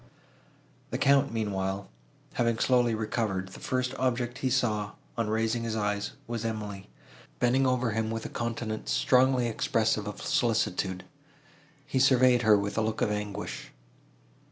The Count, meanwhile, having slowly recovered, the first object he saw, on raising his eyes, was Emily, bending over him with a countenance strongly expressive of solicitude. He surveyed her with a look of anguish.